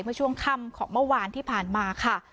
เมื่อช่วงค่ำของเมื่อวานที่ผ่านมาค่ะ